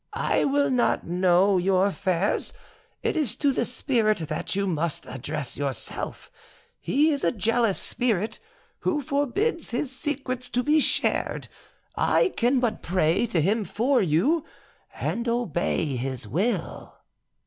"I will not know your affairs. It is to the spirit that you must address yourself; he is a jealous spirit, who forbids his secrets to be shared; I can but pray to him for you, and obey his will."